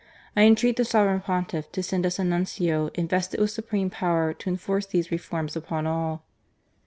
I intreat the Sovereign Pontiff to send us a Nuncio invested with supreme power to enforce these reforms upon all."